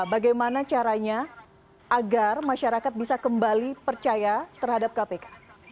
bagaimana caranya agar masyarakat bisa kembali percaya terhadap kpk